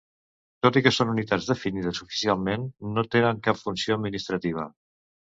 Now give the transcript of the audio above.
Tot i que són unitats definides oficialment, no tenen cap funció administrativa.